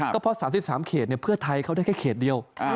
ก็เพราะ๓๓เขตเพื่อไทยเขาได้แค่เขตเดียว